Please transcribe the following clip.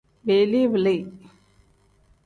Bili-bili.